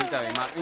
今。